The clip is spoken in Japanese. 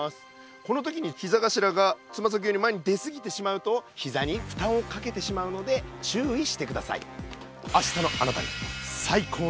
この時にひざがしらがつまさきより前にですぎてしまうとひざにふたんをかけてしまうので注意してください。